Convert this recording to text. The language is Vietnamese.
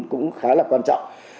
cũng khá là quan trọng